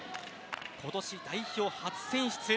今年、代表初選出。